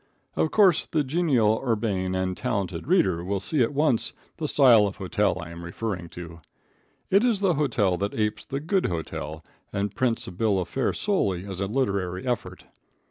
Of course the genial, urbane and talented reader will see at once the style of hotel I am referring to. It is the hotel that apes the good hotel and prints a bill of fare solely as a literary effort.